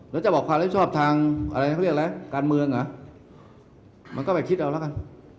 แล้วจะบอกความรับผิดชอบทางอะไรเขาเรียกอะไรการเมืองเหรอมันก็ไปคิดเอาแล้วกัน